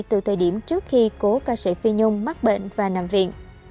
từ thời điểm trước khi cố ca sĩ phi nhung mắc bệnh và nằm viện